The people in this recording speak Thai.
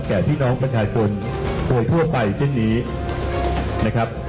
พี่น้องประชาชนโดยทั่วไปเช่นนี้นะครับ